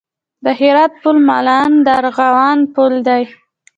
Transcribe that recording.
د هرات پل مالان د ارغوانو پل دی